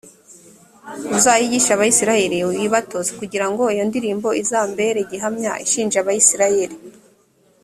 uzayigishe abayisraheli, uyibatoze, kugira ngo iyo ndirimbo izambere gihamya ishinja abayisraheli.